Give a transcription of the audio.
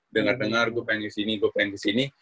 dengar dengar gue pengen kesini gue pengen kesini